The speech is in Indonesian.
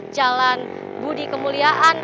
jalan budi kemuliaan